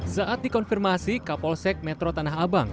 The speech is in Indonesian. saat dikonfirmasi kapolsek metro tanahabang